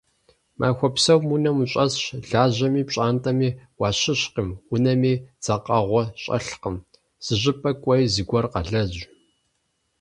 Махуэ псом унэм ущӀэсщ, лажьэми пщӀантӀэми уащыщкъым, унэми дзэкъэгъуэ щӀэлъкым, зыщӀыпӀэ кӀуэи, зыгуэр къэлэжь.